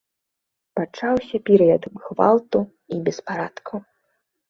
Пачаўся перыяд гвалту і беспарадкаў.